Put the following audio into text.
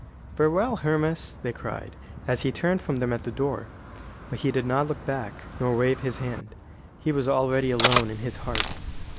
"Farewell, Hermas," they cried, as he turned from them at the door. But he did not look back, nor wave his hand. He was already alone in his heart.